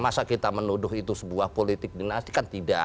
masa kita menuduh itu sebuah politik dinasti kan tidak